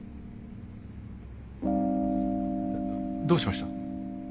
どうしました？